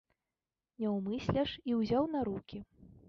Наўмысля ж і ўзяў на рукі.